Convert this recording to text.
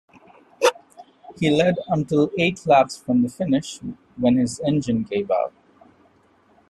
He led until eight laps from the finish, when his engine gave out.